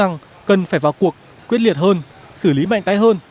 thì các lực lượng chức năng cần phải vào cuộc quyết liệt hơn xử lý mạnh tay hơn